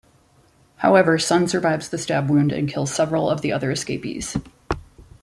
However Sun survives the stab wound and kills several of the other escapees.